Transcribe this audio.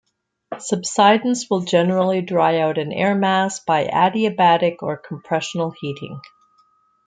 Subsidence will generally dry out an air mass by adiabatic, or compressional, heating.